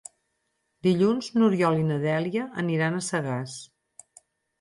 Dilluns n'Oriol i na Dèlia aniran a Sagàs.